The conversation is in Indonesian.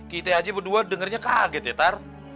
kita haji berdua dengernya kaget ya tar